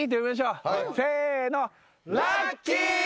せの。